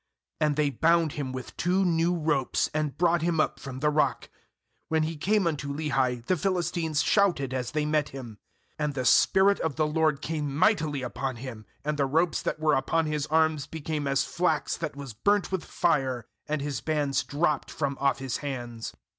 And they bound him with two new ropes, and brought him up from the rock. 14When he came unto Lehi, the Philistines shouted as they met him; and the spirit of the LORD came mightily upon him, and the ropes that were upon his arms be came as flax that was burnt with fire, and his bands dropped from off his hands.